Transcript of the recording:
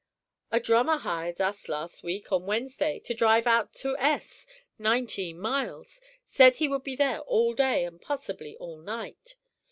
"A drummer hired us last week on Wednesday, to drive out to S , nineteen miles. Said he would be there all day and possibly all night.